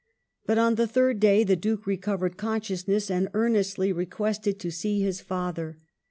But on the third day the Duke recovered consciousness and earnestly requested to see his father.